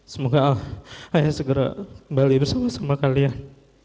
semoga allah saya segera kembali bersama sama kalian